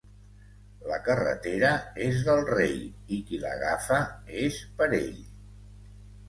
La carretera és del rei i qui l'agafa és per ell.